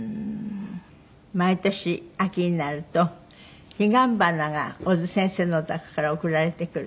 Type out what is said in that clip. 毎年秋になると彼岸花が小津先生のお宅から送られてくる。